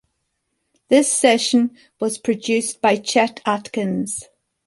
The session was produced by Chet Atkins.